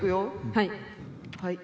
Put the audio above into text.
はい。